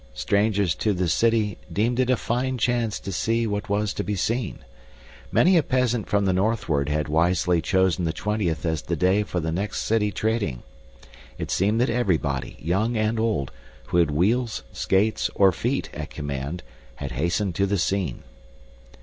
Strangers to the city deemed it a fine chance to see what was to be seen. Many a peasant from the northward had wisely chosen the twentieth as the day for the next city trading. It seemed that everybody, young and old, who had wheels, skates, or feet at command had hastened to the scene.